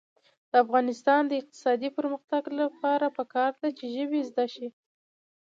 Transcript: د افغانستان د اقتصادي پرمختګ لپاره پکار ده چې ژبې زده شي.